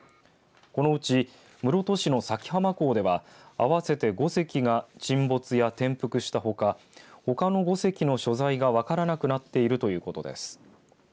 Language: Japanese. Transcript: このうち、室戸市の佐喜浜港では合わせて５隻が沈没や転覆したほかほかの５隻の所在が分からなくなっているということです。